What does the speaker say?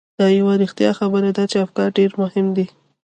دا یوه رښتیا خبره ده چې افکار ډېر مهم دي.